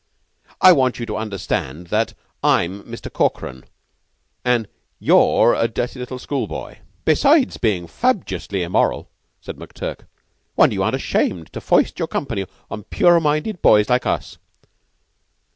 "I want you to understand that I'm Mister Corkran, an' you're a dirty little schoolboy." "Besides bein' frabjously immoral," said McTurk. "Wonder you aren't ashamed to foist your company on pure minded boys like us."